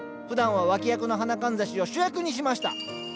ふだんは脇役の花かんざしを主役にしました。